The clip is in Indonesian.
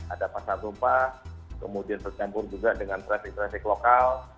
ada pasar tumpah kemudian tercampur juga dengan trafik traffic lokal